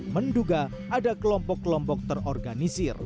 menduga ada kelompok kelompok terorganisir